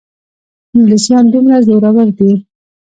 انګلیسیان دومره زورور دي.